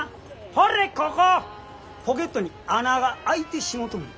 ポケットに穴が開いてしもとんねん。